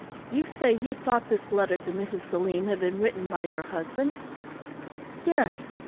"You say you thought this letter to Mrs. Selim had been written by your husband?" "Yes!"